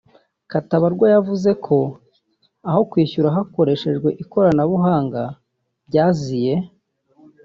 Katabarwa yavuze ko aho kwishyura hakoreshejwe ikoranabuhanga byaziye